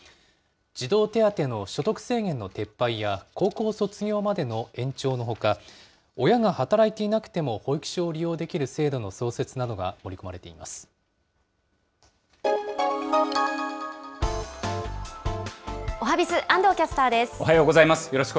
児童手当の所得制限の撤廃や高校卒業までの延長のほか、親が働いていなくても保育所を利用できる制度の創設などが盛り込おはＢｉｚ、おはようございます。